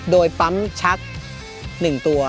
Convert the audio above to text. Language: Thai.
โดยปั๊มชัก๑ตัว